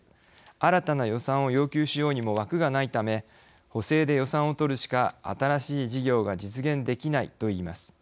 新たな予算を要求しようにも枠がないため補正で予算を取るしか新しい事業が実現できない」といいます。